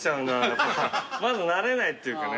まだ慣れないっていうかね。